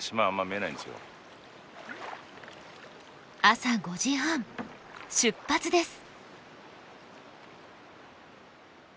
朝５時半出発です。